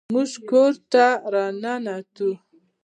زموږ کور ته راننوت